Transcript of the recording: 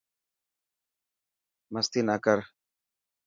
مستي نا ڪر.